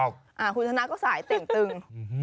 คุณธนักก็สายเต็มตึง